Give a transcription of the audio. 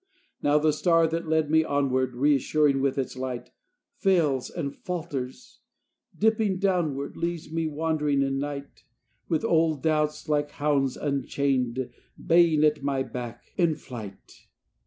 Now the star that led me onward, Reassuring with its light, Fails and falters; dipping downward Leaves me wandering in night, With old doubts, like hounds unchained, Baying at my back, in flight....